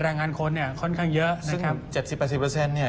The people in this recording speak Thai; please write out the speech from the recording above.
แรงงานคนเนี่ยค่อนข้างเยอะนะครับซึ่งเจ็บสิบแปดสิบเปอร์เซ็นต์เนี่ย